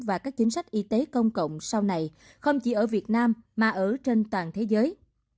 và các chính sách y tế công cộng sau này không chỉ ở việt nam mà ở trên toàn thế giới